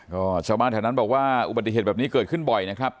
ก็ชาวบ้านแถวนั้นบอกว่าอุบัติเหตุแบบนี้เกิดขึ้นบ่อยนะครับ